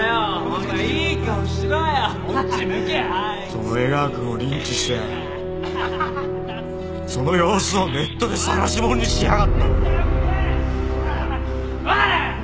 その江川君をリンチしてその様子をネットでさらしもんにしやがったんだ。